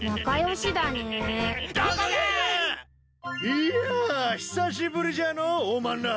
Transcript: いや久しぶりじゃのうおまんら！